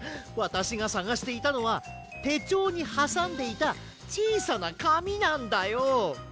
わたしがさがしていたのはてちょうにはさんでいたちいさなかみなんだよ。